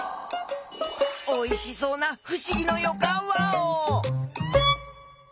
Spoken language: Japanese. おいしそうなふしぎのよかんワオ！